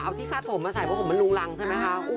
เอาที่คาดถมมาใส่เพราะผมมันลุงรังใช่ไหมคะ